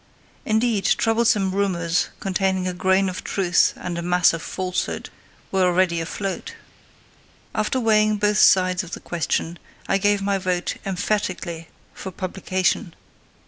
Indeed, troublesome rumours, containing a grain of truth and a mass of falsehood, were already afloat. After weighing both sides of the question, I gave my vote emphatically for publication.